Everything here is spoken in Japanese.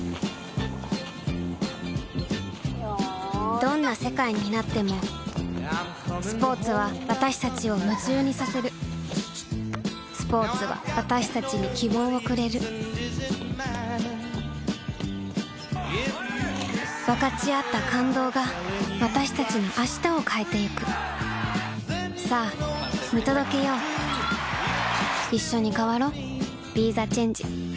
どんな世界になってもスポーツは私たちを夢中にさせるスポーツは私たちに希望をくれる分かち合った感動が私たちの明日を変えてゆくさあ見届けよういっしょに変わろう。